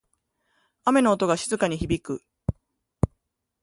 雨の音が静かに響く。